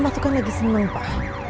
mama tuh kan lagi seneng pak